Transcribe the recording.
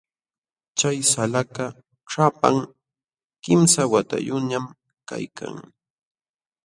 Chay salakaq ćhapam, kimsa watayuqñam kaykan.